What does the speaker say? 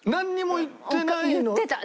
言ってた。